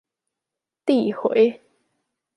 遞迴